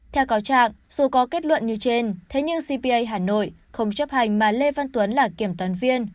theo cáo trạng dù có kết luận như trên thế nhưng cpa hà nội không chấp hành mà lê văn tuấn là kiểm toán viên